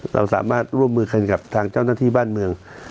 เราสามารถร่วมมือกันกับทางเจ้าหน้าที่บ้านเมือง